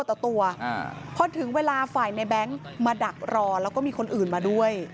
ต่อตัวพอถึงเวลาฝ่ายในแบงค์มาดักรอแล้วก็มีคนอื่นมาด้วย